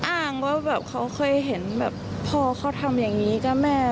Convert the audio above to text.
อ้างว่าแบบเขาเคยเห็นแบบพ่อเขาทำอย่างนี้กับแม่